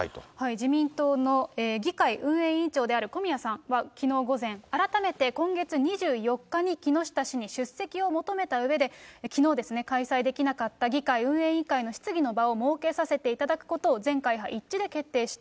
自民党の議会運営委員長である小宮さんはきのう午前、改めて今月２４日に木下氏に出席を求めたうえで、きのうですね、開催できなかった議会運営委員会の質疑の場を設けさせていただくことを全会一致で決定した。